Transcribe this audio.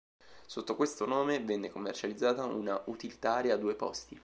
Sotto questo nome venne commercializzata una utilitaria a due posti.